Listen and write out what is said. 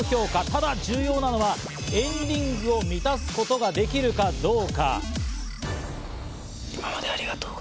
ただ重要なのは＆ＲＩＮＧを満たすことができるかどうか。